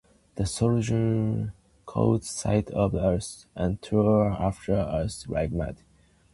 The soldier immediately caught sight of us and tore after us like mad.